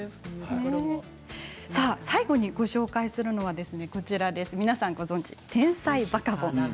最後にご紹介するのは皆さんご存じ、「天才バカボン」。